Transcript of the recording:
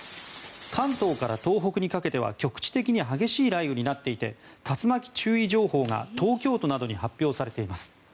関東から東北にかけては局地的に激しい雷雨になっていて竜巻注意情報が東京都などに発表されています。